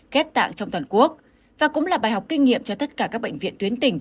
ghép tạng trong toàn quốc và cũng là bài học kinh nghiệm cho tất cả các bệnh viện tuyến tỉnh